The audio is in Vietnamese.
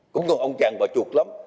cũng còn ông chàng bà chuột lắm